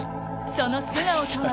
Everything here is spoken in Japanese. その素顔とは？